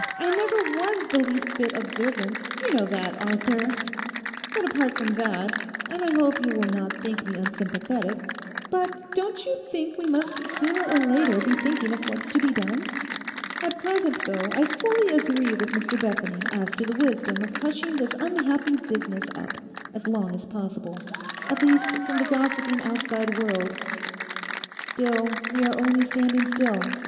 I never was the least bit observant; you know that, Arthur. But apart from that, and I hope you will not think me unsympathetic—but don't you think we must sooner or later be thinking of what's to be done? At present, though I fully agree with Mr Bethany as to the wisdom of hushing this unhappy business up as long as possible, at least from the gossiping outside world, still we are only standing still.